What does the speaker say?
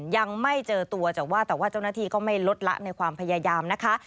ยังไม่เจอตัวแต่ว่าแต่ว่าเจ้าหน้าที่ก็ไม่ลดละในความพยายามนะคะ